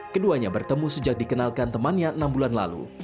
keduanya bertemu sejak dikenalkan temannya enam bulan lalu